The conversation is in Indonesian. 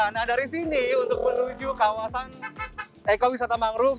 nah dari sini untuk menuju kawasan ekowisata mangrove